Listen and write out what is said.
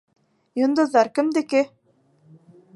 Йондоҙҙар кемдеке?